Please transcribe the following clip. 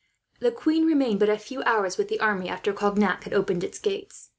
The queen remained but a few hours with the army, after Cognac had opened its gates.